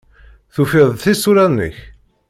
Tufiḍ-d tisura-nnek?